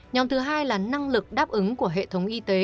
nhóm thứ hai là năng lực đáp ứng của hệ thống